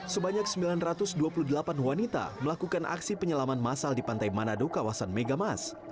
sebanyak sembilan ratus dua puluh delapan wanita melakukan aksi penyelaman masal di pantai manado kawasan megamas